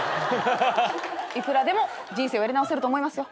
いくらでも人生をやり直せると思いますよ。